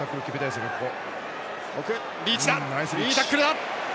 リーチ、いいタックルだ！